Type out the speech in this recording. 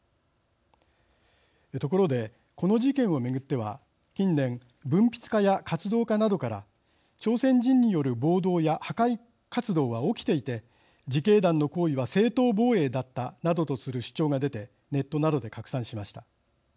ところで、この事件を巡っては近年、文筆家や活動家などから朝鮮人による暴動や破壊活動は起きていて自警団の行為は正当防衛だったなどとする主張が出てネットなどで拡散しました。